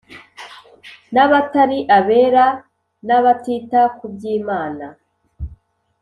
n’abatari abera n’abatita ku by’Imana